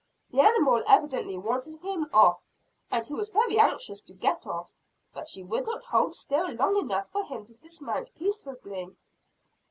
The animal evidently wanted him off, and he was very anxious to get off; but she would not hold still long enough for him to dismount peaceably.